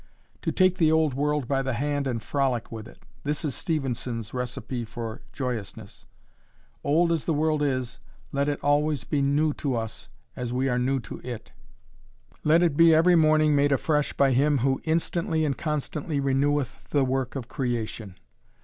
"To take the old world by the hand and frolic with it;" this is Stevenson's recipe for joyousness. Old as the world is, let it be always new to us as we are new to it. Let it be every morning made afresh by Him who "instantly and constantly reneweth the work of creation."